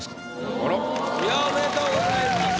ありがとうございます。